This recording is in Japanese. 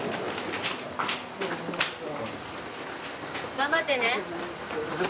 頑張ってね。